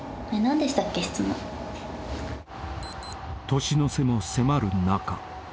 ［年の瀬も迫る中］